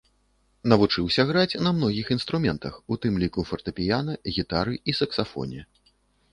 Навучыўся граць на многіх інструментах, у тым ліку фартэпіяна, гітары і саксафоне.